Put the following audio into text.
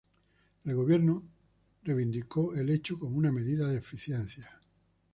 El gobierno reivindicaron el hecho como una medida de eficiencia.